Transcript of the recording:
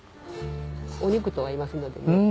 お肉と合いますのでね。